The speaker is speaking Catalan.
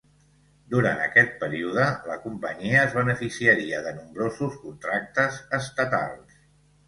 Durant aquest període la companyia es beneficiaria de nombrosos contractes estatals.